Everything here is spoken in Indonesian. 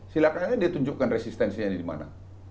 silahkan aja dia tunjukkan resistensinya di mana